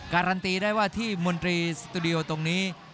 การันตีได้ว่าที่มนตรีสตูดิโอตรงนี้